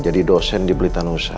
jadi dosen di blitanusa